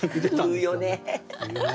言うよね。